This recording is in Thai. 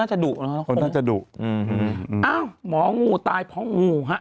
เอาหมองูตายเพราะงูฮะ